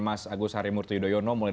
jumat yang diperlukan oleh